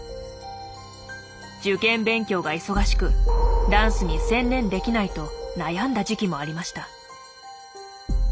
受験勉強が忙しくダンスに専念できないと悩んだ時期もありました。